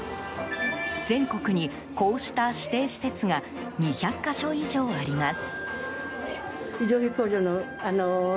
全国に、こうした指定施設が２００か所以上あります。